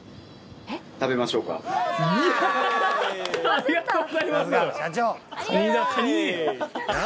ありがとうございます！